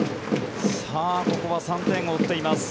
ここは３点を追っています。